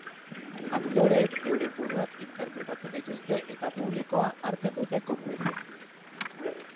Aktoreek euren buruak interpretatzen dituzte eta publikoa hartzen dute konplize.